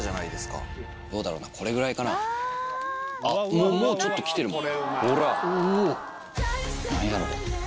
もうちょっと来てるもん。